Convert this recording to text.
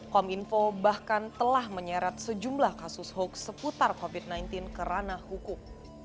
kominfo bahkan telah menyeret sejumlah kasus hoax seputar covid sembilan belas kerana hukum